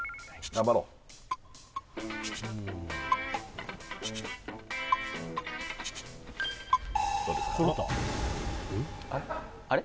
頑張ろうあれ？